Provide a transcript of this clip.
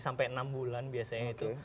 sampai enam bulan biasanya itu